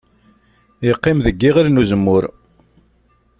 Iqqim deg yiɣil n uzemmur.